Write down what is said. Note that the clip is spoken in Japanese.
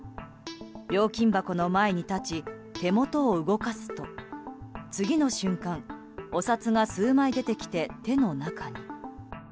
料金箱の前に立ち手元を動かすと次の瞬間、お札が数枚出てきて手の中に。